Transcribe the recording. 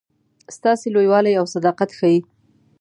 ستاسي لوی والی او صداقت ښيي.